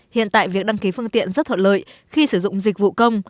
hiện tại việc đăng ký phương tiện rất thuận lợi khi sử dụng dịch vụ công